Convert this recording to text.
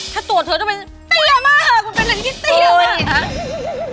ถ้าตัวเธอต้องเป็นสัยมากมันเป็นอะไรที่สัยมาก